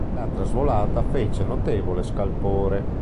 La trasvolata fece notevole scalpore.